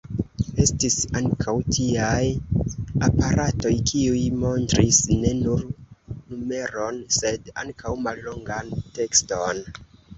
Estis ankaŭ tiaj aparatoj, kiuj montris ne nur numeron, sed ankaŭ mallongan tekston.